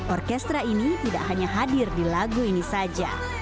orkestra ini tidak hanya hadir di lagu ini saja